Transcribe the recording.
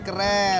makasih ya pak